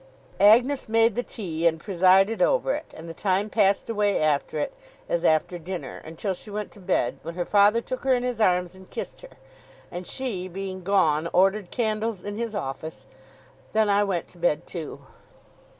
Agnes made the tea, and presided over it; and the time passed away after it, as after dinner, until she went to bed; when her father took her in his arms and kissed her, and, she being gone, ordered candles in his office. Then I went to bed too.